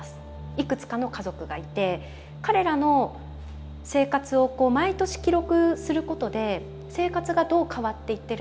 いくつかの家族がいて彼らの生活を毎年記録することで生活がどう変わっていってるのか。